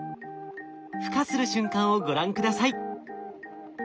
ふ化する瞬間をご覧下さい。